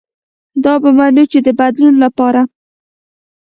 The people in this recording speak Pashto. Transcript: دا به منو چې د بدلون له پاره